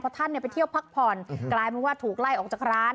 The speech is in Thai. ท่านไปเที่ยวพักผ่อนกลายเป็นว่าถูกไล่ออกจากร้าน